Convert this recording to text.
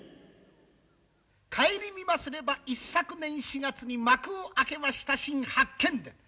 顧みますれば一昨年４月に幕を開けました「新八犬伝」。